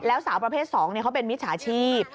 แล้วสาวประเภท๒เขาเป็นมิจฉาชีพ